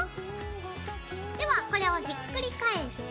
ではこれをひっくり返して。